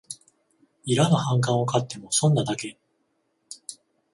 いらぬ反感を買っても損なだけ